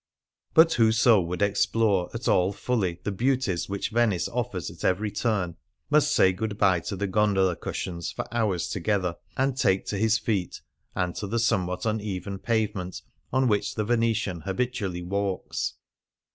But whoso would explore at all fully the beauties which Venice offers at every turn must say good bye to the gondola cushions for hours together, and take to his feet and to the some what uneven pavement on which the Venetian habitually walks.